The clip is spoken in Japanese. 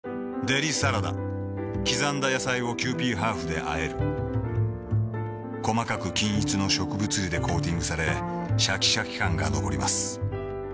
デリサラダ刻んだ野菜をキユーピーハーフであえる細かく均一の植物油でコーティングされシャキシャキ感が残ります